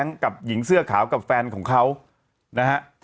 กับหญิงเสื้อขาวกับแฟนของเขานะฮะ